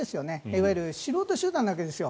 いわゆる素人集団なわけですよ。